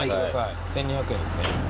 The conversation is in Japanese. １，２００円ですね。